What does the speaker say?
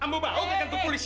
ambo bau kakak tuh polisi